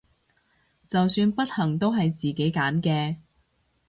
就算不幸都係自己揀嘅！